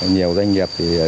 nhiều doanh nghiệp thì